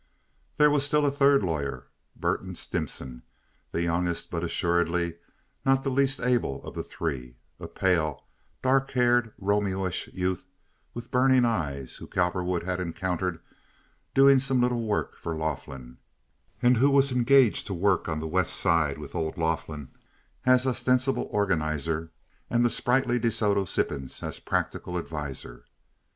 There was still a third lawyer, Burton Stimson, the youngest but assuredly not the least able of the three, a pale, dark haired Romeoish youth with burning eyes, whom Cowperwood had encountered doing some little work for Laughlin, and who was engaged to work on the West Side with old Laughlin as ostensible organizer and the sprightly De Soto Sippens as practical adviser.